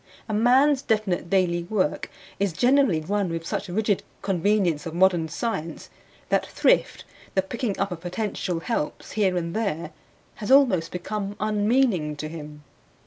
A man's definite daily work is generally run with such rigid convenience of modern science that thrift, the picking up of potential helps here and there, has almost become unmeaning to him.